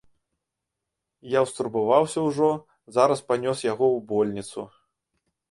Я ўстурбаваўся ўжо, зараз панёс яго ў больніцу.